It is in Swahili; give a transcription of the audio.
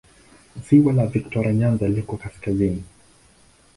Ziwa la Viktoria Nyanza liko kaskazini.